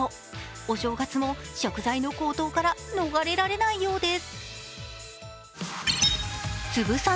お正月も食材の高騰から逃れられないようです。